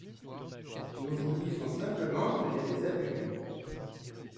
Nous vous disons simplement qu’il y a des abus.